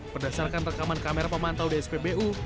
berdasarkan rekaman kamera pemantau di spbu